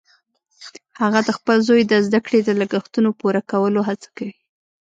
هغه د خپل زوی د زده کړې د لګښتونو پوره کولو هڅه کوي